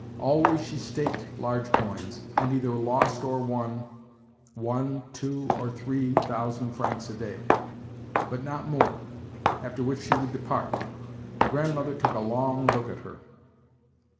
Always she staked large coins, and either lost or won one, two, or three thousand francs a day, but not more; after which she would depart. The Grandmother took a long look at her.